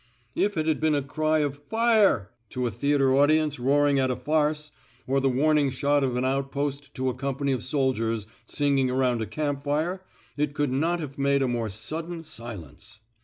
If it had been a cry of Firel '' to a theatre audience roaring at a farce, or the warning shot of an outpost to a company of soldiers singing around a camp fire, it could not have made a more sudden silence.